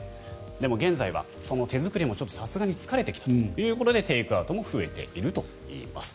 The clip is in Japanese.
でも現在はその手作りもさすがに疲れてきたということでテイクアウトも増えているといいます。